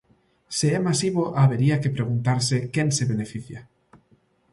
Se é masivo habería que preguntarse quen se beneficia.